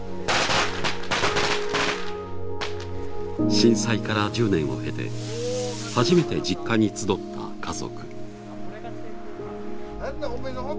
震災から１０年を経て初めて実家に集った家族。